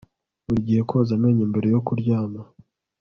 Buri gihe koza amenyo mbere yo kuryama